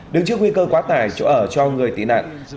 đứng trước nguy cơ quá tải chỗ ở cho người tị nạn